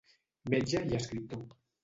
Metge i Escriptor.